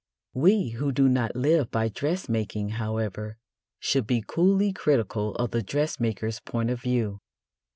We who do not live by dressmaking, however, should be coolly critical of the dressmaker's point of view.